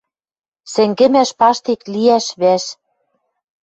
Сӹнгӹмӓш паштек лиӓш вӓш?